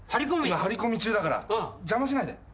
今張り込み中だから邪魔しないで。